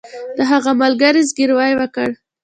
د هغه ملګري زګیروی وکړ